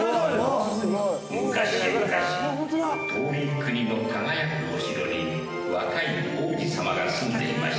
昔々遠い国の輝くお城に若い王子さまが住んでいました。